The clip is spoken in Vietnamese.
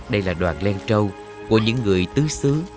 đây là đoàn len trâu của những người tứ xứ